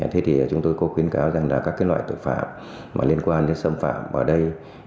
thế thì chúng tôi có khuyến cáo rằng là các loại tội phạm mà liên quan đến xâm phạm ở đây